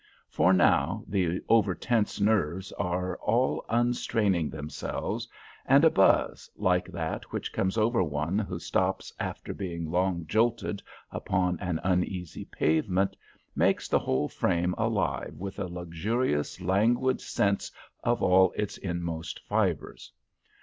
For now the over tense nerves are all unstraining themselves, and a buzz, like that which comes over one who stops after being long jolted upon an uneasy pavement, makes the whole frame alive with a luxurious languid sense of all its inmost fibres.